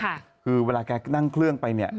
คือเวลาแกนั่งเครื่องไป